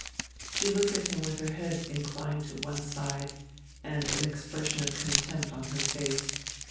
She looked at him with her head inclined to one side, and an expression of contempt on her face.